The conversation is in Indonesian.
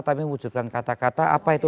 tapi mewujudkan kata kata apa itu